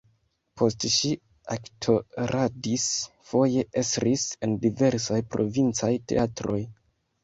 Poste ŝi aktoradis, foje estris en diversaj provincaj teatroj.